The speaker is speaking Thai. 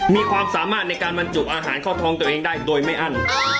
มีความสามารถในการบรรจุอาหารเข้าท้องตัวเองได้โดยไม่อั้น